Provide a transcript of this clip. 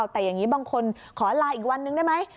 แต่อย่างนี้บางคนขอลาอีกวันนึงได้ไหม